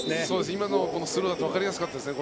今のスローだとわかりやすかったですね。